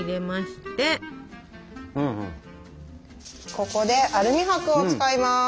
ここでアルミ箔を使います。